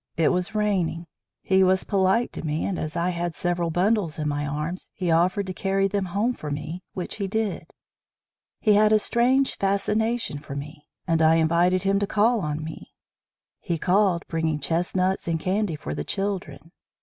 It was raining. He was polite to me, and as I had several bundles in my arms he offered to carry them home for me, which he did. He had a strange fascination for me, and I invited him to call on me. He called, bringing chestnuts and candy for the children.